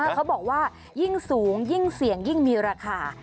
เขาบอกว่ายิ่งสูงยิ่งเสี่ยงยิ่งมีราคา